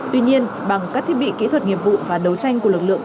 tuy nhiên bằng các thiết bị kỹ thuật nghiệp vụ và đấu tranh của lực lượng